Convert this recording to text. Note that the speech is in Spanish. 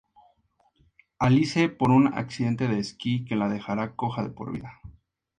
Alice por un accidente de esquí que la dejará coja de por vida.